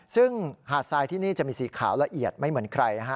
ซึ่งหาดทรายที่นี่จะมีสีขาวละเอียดไม่เหมือนใคร